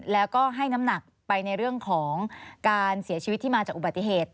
แล้วก็ให้น้ำหนักไปในเรื่องของการเสียชีวิตที่มาจากอุบัติเหตุ